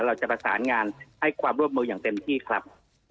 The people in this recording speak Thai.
เราจะประสานงานให้ความร่วมมืออย่างเต็มที่ครับ